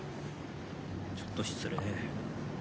ちょっと失礼。